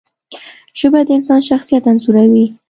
ژبه د انسان شخصیت انځوروي